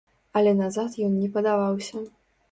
Але назад ён не падаваўся.